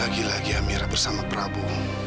lagi lagi amira bersama prabowo